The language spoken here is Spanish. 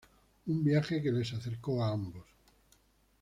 Un viaje que les acercó a ambos.